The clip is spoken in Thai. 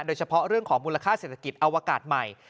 โดยเฉพาะเรื่องของมูลค่าเศรษฐกิจอวกาศใหม่